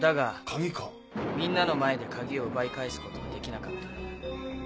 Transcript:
鍵かみんなの前で鍵を奪い返すことはできなかった。